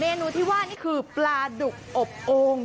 นูที่ว่านี่คือปลาดุกอบโอ่ง